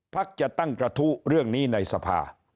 จะตั้งกระทู้เรื่องนี้ในสภา